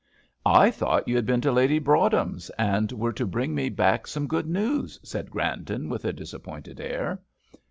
"I thought you had been to Lady Broadhem's, and were to bring me back some good news," said Grandon, with a disappointed air.